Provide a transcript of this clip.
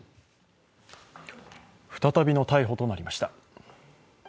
再びの逮捕となりました。